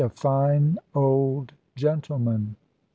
A FINE OLD GENTLEMAN.